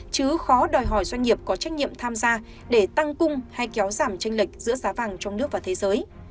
chứ khó đòi hỏi doanh nghiệp có trách nhiệm tham gia để tăng cung hay kéo giảm tranh lệch giữa giá vàng trong nước và thế giới